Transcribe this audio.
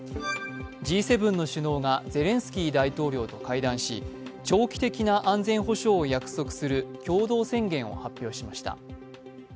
Ｇ７の首脳がゼレンスキー大統領と会談し、長期的な安全保障を約束する共同宣言を発表しました。